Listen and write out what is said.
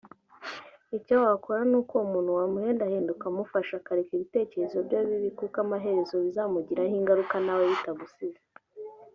icyo wakora ni uko uwo muntu wamuhendahenda ukamufasha akareka ibitekerezo bye bibi kuko amaherezo bizamugiraho ingaruka nawe bitagusize